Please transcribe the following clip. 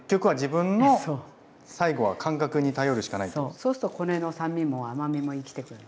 そうするとこれの酸味も甘みも生きてくるの。